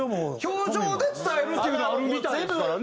表情で伝えるというのはあるみたいですからね。